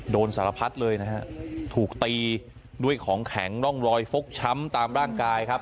โดนสารพัดเลยนะฮะถูกตีด้วยของแข็งร่องรอยฟกช้ำตามร่างกายครับ